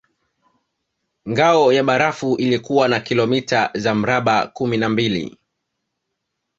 Ngao ya barafu ilikuwa na kilomita za mraba kumi na mbili